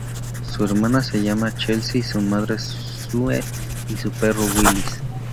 Su hermana se llama Chelsea, su madre Sue y su perro Willis.